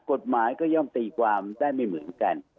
กฎหมายก็ย่อมตีความได้ไม่เหมือนกัน